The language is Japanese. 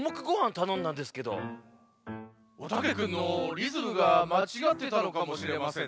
おたけくんのリズムがまちがってたのかもしれませんね。